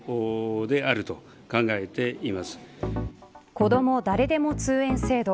こども誰でも通園制度。